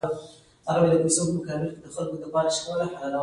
پخواني کسان د کان په را ايستلو کې ناکام شوي وو.